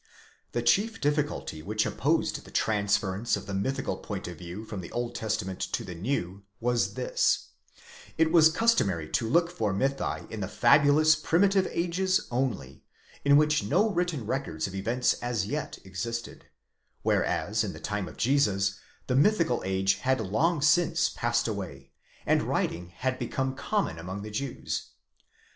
The chief difficulty which opposed the transference of the mythical point of view from the Old Testament to the New, was this :—it was customary to look for mythi in the fabulous primitive ages only, in which no written records of events as yet existed; whereas, in the time of Jesus, the mythical age had long since passed away, and writing had become common among the Jews.